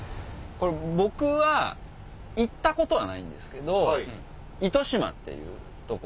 これ僕は行ったことはないんですけど糸島っていう所。